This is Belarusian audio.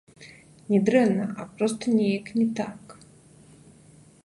Не дрэнна, а проста неяк не так.